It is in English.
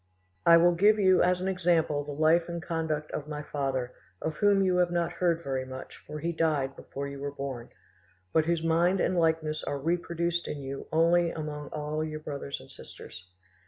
"I will give you as an example the life and conduct of my father, of whom you have not heard very much, for he died before you were born, but whose mind and likeness are reproduced in you only among all your brothers and sisters.